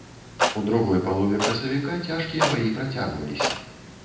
У другой палове красавіка цяжкія баі працягваліся.